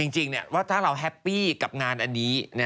จริงว่าถ้าเราแฮปปี้กับงานอันนี้